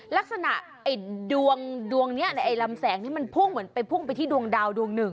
ลักษณะไอ้ดวงนี้ในลำแสงนี้มันพุ่งเหมือนไปพุ่งไปที่ดวงดาวดวงหนึ่ง